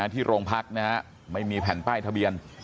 ที่โรงพักนะฮะไม่มีแผ่นป้ายทะเบียน